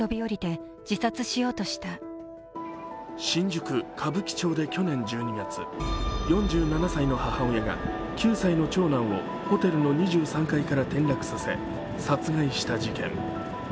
新宿・歌舞伎町で去年１２月、４７歳の母親が９歳の長男をホテルの２３階から転落させ殺害した事件。